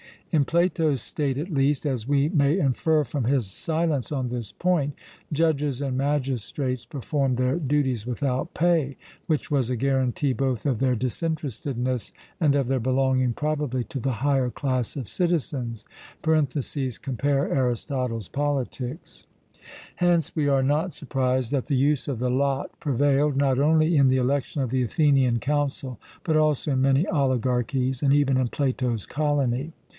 In Plato's state at least, as we may infer from his silence on this point, judges and magistrates performed their duties without pay, which was a guarantee both of their disinterestedness and of their belonging probably to the higher class of citizens (compare Arist. Pol.). Hence we are not surprised that the use of the lot prevailed, not only in the election of the Athenian Council, but also in many oligarchies, and even in Plato's colony.